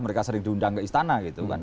mereka sering diundang ke istana gitu kan